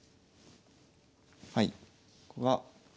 はい。